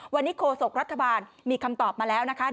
วันนี้โคศกรัฐบาลมีคำตอบมาแล้วนะคะ